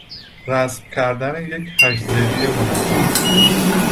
رسم کردن یک هشت ضلعی منظم